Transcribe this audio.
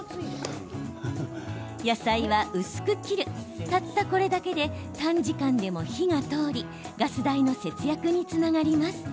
野菜は薄く切るたったこれだけで短時間でも火が通りガス代の節約につながります。